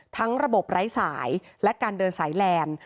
ระบบไร้สายและการเดินสายแลนด์